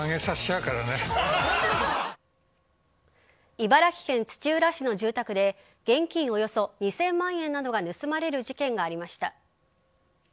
茨城県土浦市の住宅で現金およそ２０００万円などが盗まれる事件がありました。